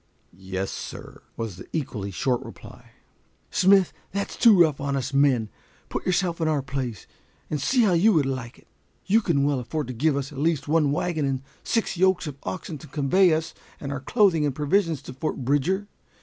"Yes, sir," was the equally short reply. "Smith, that's too rough on us men. Put yourself in our place, and see how you would like it," said Simpson. "You can well afford to give us at least one wagon and six yokes of oxen to convey us and our clothing and provisions to Fort Bridger.